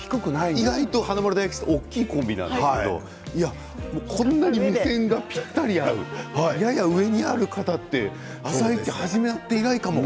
意外と華丸・大吉って大きいコンビなんですけどこんなに目線がぴったり合う、やや上にある方って「あさイチ」始まって以来かも。